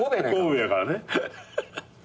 神戸やからね。